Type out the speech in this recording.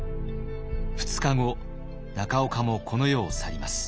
２日後中岡もこの世を去ります。